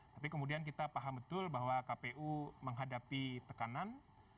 tapi kemudian kita paham betul bahwa kpu menghadapi tekanan